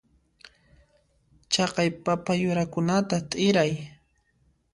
Chaqay papa yurakunata t'iray.